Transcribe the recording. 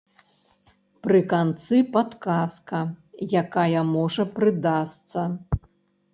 Пры канцы падказка, якая можа прыдасца.